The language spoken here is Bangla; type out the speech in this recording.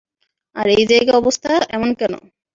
আর এই জায়গার অবস্থা এমন কেন?